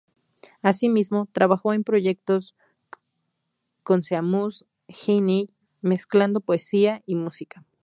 Asimismo, trabajó en proyectos con Seamus Heaney, mezclando poesía y música.